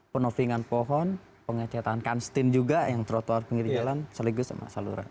penopingan pohon pengecatan kanstin juga yang trotoar pinggir jalan seligus sama saluran